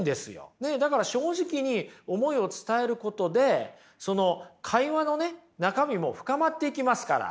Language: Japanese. だから正直に思いを伝えることでその会話のね中身も深まっていきますから。